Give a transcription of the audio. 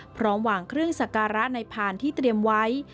พร้อมวางเครื่องสักการะในพานที่เตรียมไว้